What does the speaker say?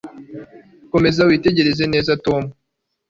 Komeza witegereze neza Tom